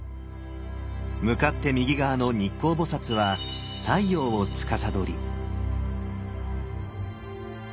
向かって右側の日光菩は太陽をつかさどり。